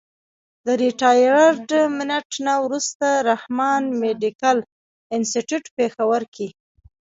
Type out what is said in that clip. د ريټائرډ منټ نه وروستو رحمان مېډيکل انسټيتيوټ پيښور کښې